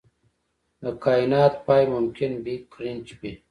د کائنات پای ممکن بیګ کرنچ وي.